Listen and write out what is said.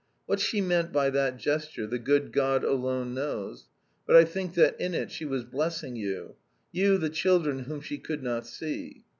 What she meant by that gesture the good God alone knows, but I think that in it she was blessing you you the children whom she could not see.